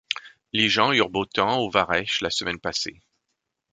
Les gens eurent beau temps au varech la semaine passée.